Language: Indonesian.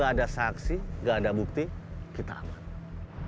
kalau gak ada saksi gak ada bukti kita aman